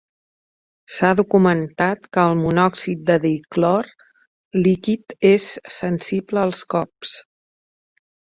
S'ha documentat que el monòxid de di-clor líquid és sensible als cops.